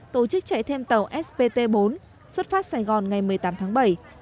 tổ chức chạy thêm tàu spt bốn xuất phát sài gòn ngày một mươi tám tháng bảy